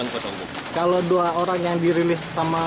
kalau dua orang yang dirilis sama